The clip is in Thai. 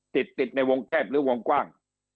ติดในวงแก้บหรือวงกว้าง